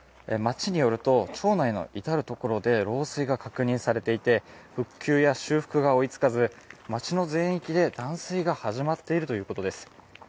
町によると、町内の至る所で漏水が確認されていて復旧や修復が追いつかず町の全域で断水が始まっているということです。